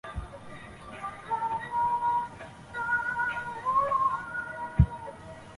其他东京都所管公园有都立海上公园。